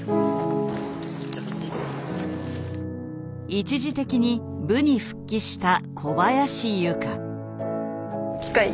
一時的に部に復帰した小林由佳。